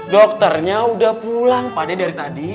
dokternya udah pulang pak d dari tadi